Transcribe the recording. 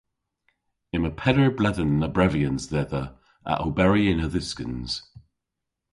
Yma peder bledhen a brevyans dhedha a oberi yn a-dhyskans.